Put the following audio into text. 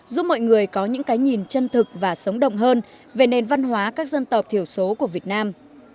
giúp mọi người có những cái nhìn chân thực và sống động hơn về nền văn hóa các dân tộc thiểu số của việt nam